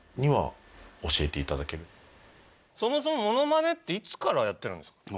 そもそもモノマネっていつからやってるんですか？